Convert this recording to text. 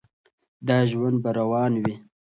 دا ژوند به روان وي.